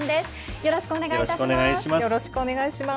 よろしくお願いします。